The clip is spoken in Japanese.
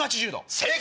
正解！